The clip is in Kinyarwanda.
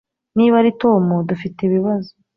niba ari tom, dufite ibibazo